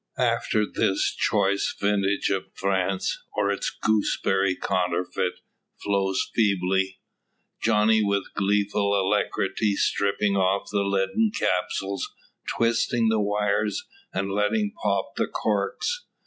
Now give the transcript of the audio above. After this the choice vintage of France, or its gooseberry counterfeit, flows feebly; Johnny with gleeful alacrity stripping off the leaden capsules, twisting the wires, and letting pop the corks.